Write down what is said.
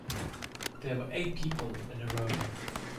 There were eight people in a row.